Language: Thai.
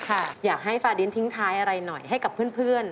อยากให้ฟาดินทิ้งท้ายอะไรหน่อยให้กับเพื่อน